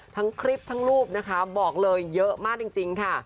ทั้งคลิปทั้งรูปนะคะบอกเลยเยอะมากจริงค่ะ